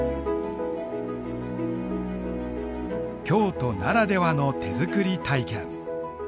京都ならではの手作り体験。